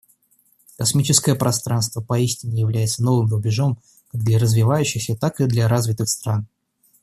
Космическое пространство поистине является новым рубежом как для развивающихся, так и для развитых стран.